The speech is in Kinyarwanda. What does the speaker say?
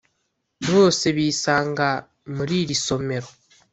bose bisanga muri iri somero